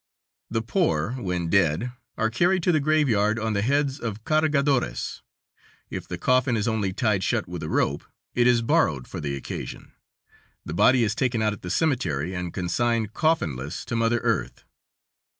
The poor, when dead, are carried to the graveyard on the heads of cargadores. If the coffin is only tied shut with a rope, it is borrowed for the occasion. The body is taken out at the cemetery and consigned, coffinless, to mother earth.